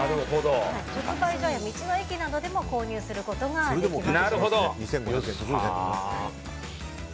直売所や道の駅などでも購入することができます。